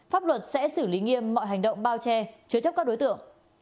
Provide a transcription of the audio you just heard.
pháp luật sẽ xử lý nghiêm mọi hành động bao che chứa chấp các đối tượng